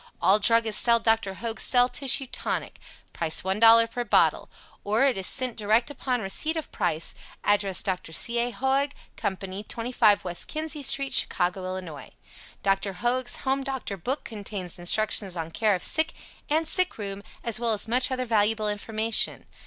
All druggists sell Dr. Hoag's Cell Tissue Tonic. Price $1.00 per bottle. Or it is sent direct upon receipt of price. Address Dr. C. A. Hoag Company, 25 West Kinzie St., Chicago, Ills. Dr. Hoag's "Home Doctor Book" contains instructions on care of sick and sick room as well as much other valuable information.